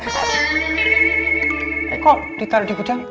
kok ditaruh di gudang